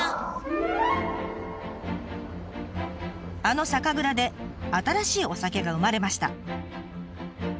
あの酒蔵で新しいお酒が生まれました。